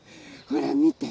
ほらみて！